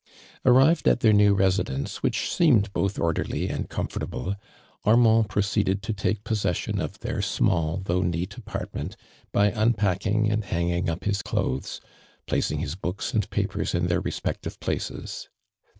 Arrived at their new residence which seemed both owlerly and comfortable, Ar mand proceeded to take possession of their small though neat apartment by unpacking 58 AKMAND DURAND. I I A imd hanging up hirt clothes, placing liis Ijooks andpupers in their respective places.